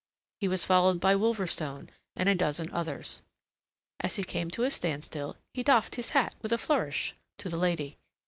He was followed by Wolverstone, and a dozen others. As he came to a standstill, he doffed his hat, with a flourish, to the lady.